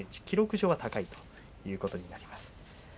１ｍ７５ｃｍ、記録上は高いということになります。